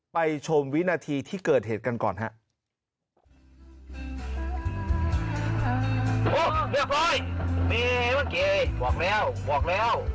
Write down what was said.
ชมวินาทีที่เกิดเหตุกันก่อนครับ